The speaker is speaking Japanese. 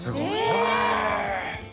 へえ！